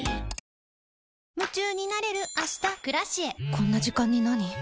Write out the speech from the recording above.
こんな時間になに？